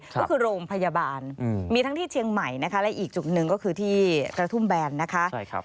ก็คือโรงพยาบาลมีทั้งที่เชียงใหม่นะคะและอีกจุดหนึ่งก็คือที่กระทุ่มแบนนะคะ